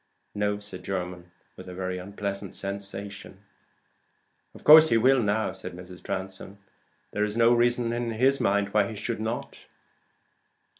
"No," said Jermyn, with a very unpleasant sensation. "Of course he will now," said Mrs. Transome. "There is no reason in his mind why he should not."